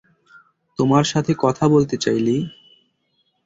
তোমার সাথে কথা বলতে চাই, লী।